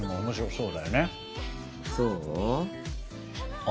そう？